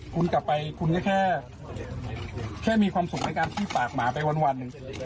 คุณกลับไปคุณก็แค่มีความสุขในการที่ฝากหมาไปวัน